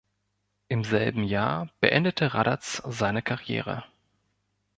Im selben Jahr beendete Raddatz seine Karriere.